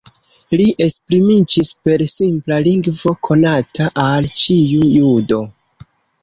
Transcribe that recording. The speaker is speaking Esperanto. Li esprimiĝis per simpla lingvo, konata al ĉiu judo.